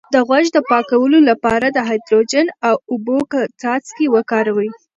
د غوږ د پاکوالي لپاره د هایدروجن او اوبو څاڅکي وکاروئ